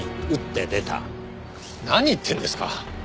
何言ってるんですか！